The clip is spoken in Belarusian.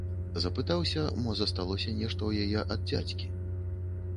Запытаўся, мо засталося нешта ў яе ад дзядзькі.